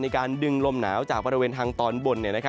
มีการดึงลมหนาวจากบริเวณทางตอนบน